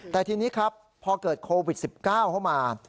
แต่ทีนี้ครับพอเกิดโควิด๑๙เข้ามา